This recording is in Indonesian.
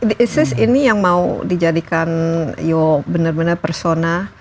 is this ini yang mau dijadikan yo bener bener persona